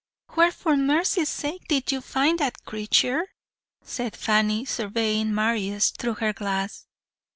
"'Where, for mercy's sake, did you find that creature?' said Fanny, surveying Marius through her glass.